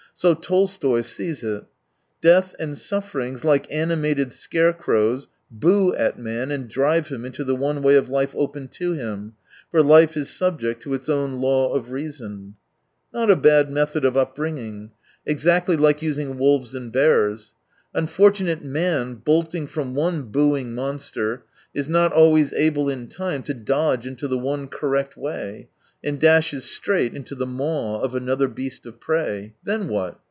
So Tolstoy sees it. " Death and sufferings, like ani mated scarecrows, boo at man and drive him into the one way of life open to him : for life is subject to its own law of reason." Not a bad method of upbringing. Exactly 173 like using wolves and bears. Unfortunate man, bolting from one booing monster, is not always able in time to dodge into the one correct way, and dashes straight into the maw of another beast of prey. Then what